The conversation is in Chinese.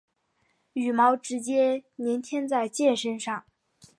羽毛直接粘贴在箭身上。